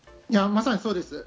まさにそうです。